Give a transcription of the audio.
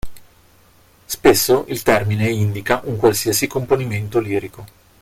Spesso il termine indica un qualsiasi componimento lirico.